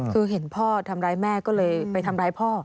คือเห็นพ่อทำร้ายแม่ก็เลยไปทำร้ายพ่อ